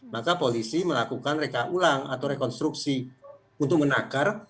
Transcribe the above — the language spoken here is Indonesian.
maka polisi melakukan reka ulang atau rekonstruksi untuk menakar